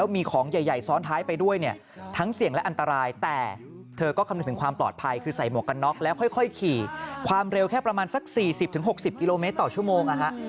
ไม่อันตรายแต่เธอก็คำนึกถึงความปลอดภัยคือใส่หมวกกันน็อกแล้วค่อยขี่ความเร็วแค่ประมาณสัก๔๐๖๐กิโลเมตรต่อชั่วโมงนะครับ